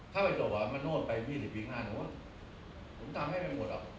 ถ้าจบมันโน่นไป๒๐๒๕ปีหนูว่าผมทำให้ไม่หมดเนอะ